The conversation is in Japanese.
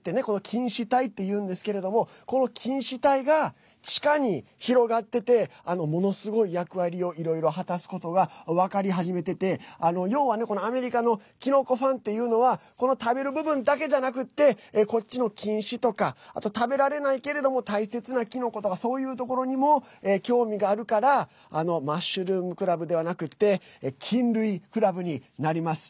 菌糸体っていうんですけれどもこの菌糸体が地下に広がっててものすごい役割をいろいろ果たすことが分かり始めてて要はね、このアメリカのキノコファンっていうのはこの食べる部分だけじゃなくってこっちの菌糸とかあと食べられないけれども大切なキノコとかそういうところにも興味があるからマッシュルームクラブではなくて菌類クラブになります。